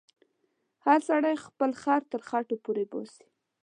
هر سړی خپل خر تر خټو پورې باسې.